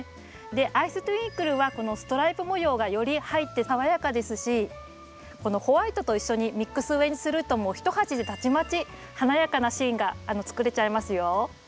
アイストゥインクルはこのストライプ模様がより入って爽やかですしこのホワイトと一緒にミックス植えにするともう一鉢でたちまち華やかなシーンが作れちゃいますよ。